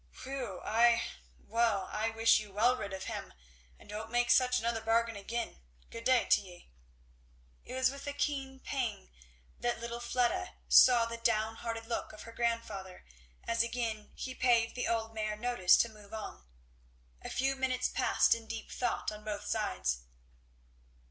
"Whew I well I wish you well rid of him; and don't make such another bargain again. Good day to ye!" It was with a keen pang that little Fleda saw the down hearted look of her grandfather as again he pave the old mare notice to move on. A few minutes passed in deep thought on both sides.